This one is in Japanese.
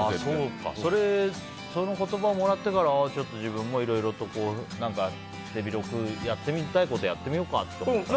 その言葉をもらってから自分もいろいろと手広くやってみたいことやってみようかと思ったの？